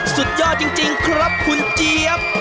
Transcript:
สุดยอดจริงครับคุณเจี๊ยบ